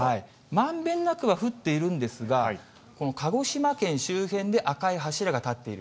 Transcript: まんべんなくは降っているんですが、この鹿児島県周辺で赤い柱が立っている。